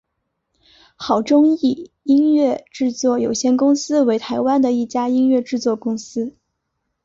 好钟意音乐制作有限公司为台湾的一家音乐制作公司。